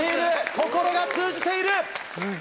心が通じている！